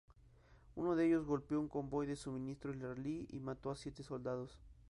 Uno de ellos golpeó un convoy de suministro israelí y mató a siete soldados.